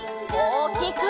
おおきく！